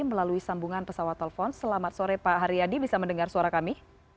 melalui sambungan pesawat telepon selamat sore pak haryadi bisa mendengar suara kami